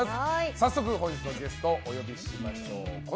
早速、本日のゲストをお呼びしましょう。